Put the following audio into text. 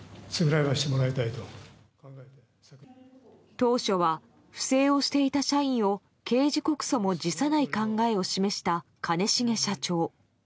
当初は不正をしていた社員を刑事告訴も辞さない考えを示した兼重社長。